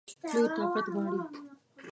لوی طاقت غواړي.